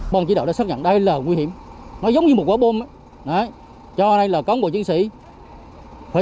bọn chỉ đạo đã xác nhận đây là nguy hiểm nó giống như một quả bôm cho nên là cán bộ chiến sĩ phải